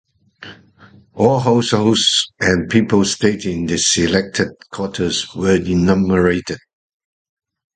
All households and people staying in the selected quarters were enumerated.